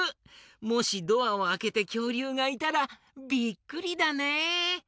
もしドアをあけてきょうりゅうがいたらびっくりだね！